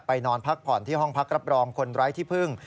นอนพักผ่อนที่ห้องพักรับรองคนไร้ที่พึ่ง